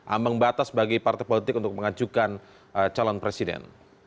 ambang batas bagi partai politik untuk mengajukan calon presiden